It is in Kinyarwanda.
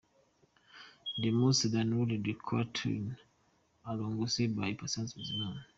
The Most downloaded CallerTunez: Arangose by Patient Bizimana.